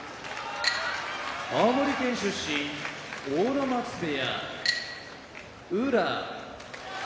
青森県出身阿武松部屋宇良